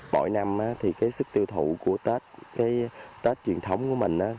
mỗi năm sức tiêu thụ của tết tết truyền thống của mình